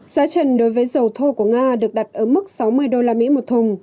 giá trần đối với dầu thô của nga được đặt ở mức sáu mươi đô la mỹ một thùng